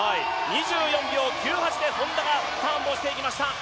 ２４秒９８で本多がターンをしていきました。